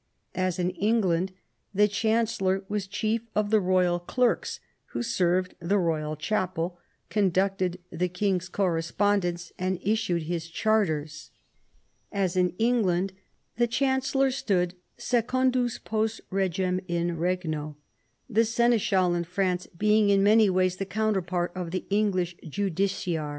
As in England, the chancellor was chief of the royal clerks, who served the royal chapel, conducted the king's correspondence, and issued his charters. As in England, the chancellor stood secundus post regem in regno, the seneschal in France being in many ways the counterpart of the English justiciar.